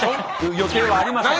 予定はありません。